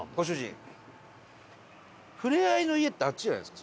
ふれあいの館ってあっちじゃないですか？